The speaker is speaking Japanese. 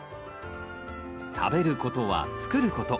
「食べることは作ること」。